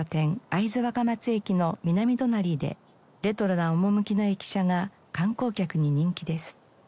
会津若松駅の南隣でレトロな趣の駅舎が観光客に人気です。